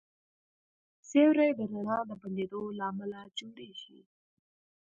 سیوری د رڼا د بندېدو له امله جوړېږي.